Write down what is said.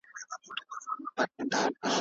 دا مسواک ډېرې ګټورې ځانګړتیاوې لري.